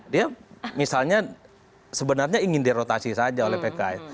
dia misalnya sebenarnya ingin dirotasi saja oleh pks